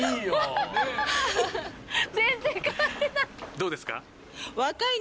どうですか？